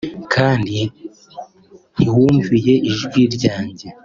kandi ntiwumviye ijwi ryanjye